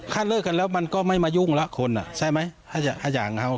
ถ้าเลิกกันแล้วมันก็ไม่มายุ่งแล้วคนอ่ะใช่ไหมถ้าอยาก